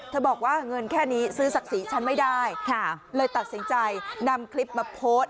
เธอบอกว่าเงินแค่นี้ซื้อสักสีฉันไม่ได้ค่ะเลยตัดสินใจนำคลิปมาโพส